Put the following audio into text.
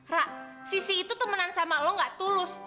ra si si itu temenan sama lo nggak tulus